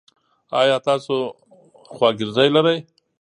ایا تاسو خواګرځی لری؟